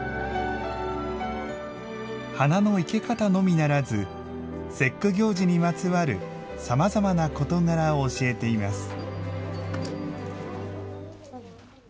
花の生け方のみならず節句行事にまつわる様々な事柄を教えています。